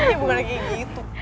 ini bukan lagi gitu